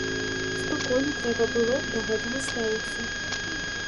Спакойна трэба было да гэтага ставіцца.